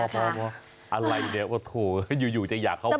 พออะไรเนี่ยอยู่จะอยากเข้าคุก